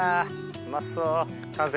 うまそう完成！